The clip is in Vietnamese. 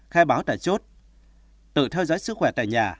khai báo tại chốt tự theo dõi sức khỏe tại nhà